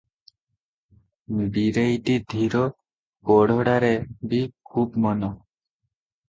ବୀରେଇଟି ଧୀର, ପଡ଼ଢ଼ାରେ ବି ଖୁବ ମନ ।